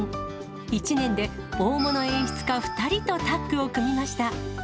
１年で大物演出家２人とタッグを組みました。